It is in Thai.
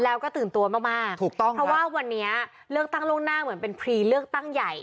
แล้วก็ตื่นตัวมากมากถูกต้องเพราะว่าวันนี้เลือกตั้งล่วงหน้าเหมือนเป็นพรีเลือกตั้งใหญ่